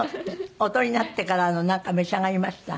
お取りになってからなんか召し上がりました？